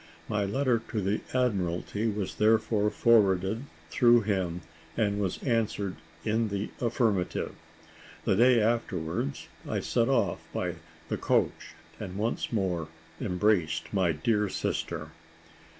My letter to the Admiralty was therefore forwarded through him, and was answered in the affirmative. The day afterwards, I set off by the coach, and once more embraced my dear sister.